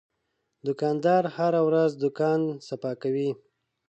دوکاندار هره ورځ دوکان صفا کوي.